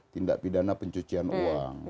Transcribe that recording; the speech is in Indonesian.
tindak pidana pencucian uang